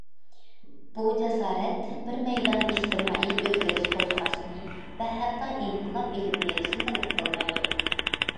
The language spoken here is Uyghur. بۇ جاسارەت بىر مەيدان ئىجتىمائىي ئۆزگىرىش قوزغاشنى ۋە ھەتتا ئىنقىلاب ئېلىپ بېرىشنى تەلەپ قىلمايدۇ.